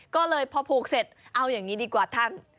ก็เลยพอผูกเสร็จเอาอย่างนี้ดีกว่าท่าน